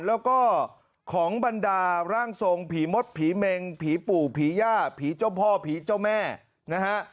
แล้วก็ของบรรดาร่างทรงผีมดผีเมงผีปู่ผีย่าผีเจ้าพ่อผีเจ้าแม่นะฮะ